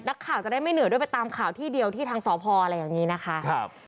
ข่าวจะได้ไม่เหนื่อยด้วยไปตามข่าวที่เดียวที่ทางสพอะไรอย่างนี้นะคะ